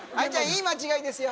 いい間違いですよ